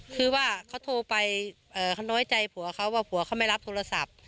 คือว่าเขาโทรไปเขาน้อยใจผัวเขาว่าผัวเขาไม่รับโทรศัพท์